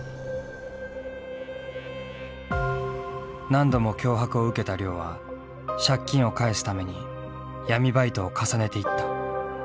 何度も脅迫を受けた亮は借金を返すために闇バイトを重ねていった。